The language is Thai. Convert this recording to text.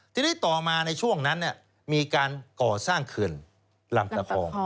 ทีนี้ต่อมาในช่วงนั้นมีการก่อสร้างเขื่อนลำตะคอง